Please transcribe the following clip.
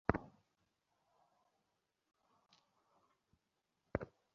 ভারতের মুসলমান ধর্ম অন্যান্য দেশের মুসলমান ধর্ম হইতে সম্পূর্ণ ভিন্ন জিনিষ।